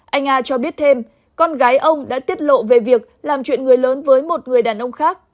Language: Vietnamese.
anh a cho biết thêm con gái ông đã tiết lộ về việc làm chuyện người lớn với một người đàn ông khác